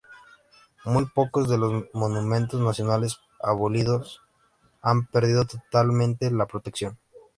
Muy pocos de los monumentos nacionales abolidos han perdido totalmente la protección.